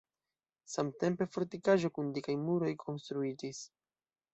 Samtempe fortikaĵo kun dikaj muroj konstruiĝis.